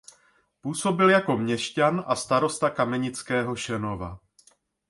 Působil jako měšťan a starosta Kamenického Šenova.